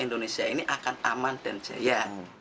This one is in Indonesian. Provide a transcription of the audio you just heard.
indonesia ini akan aman dan jaya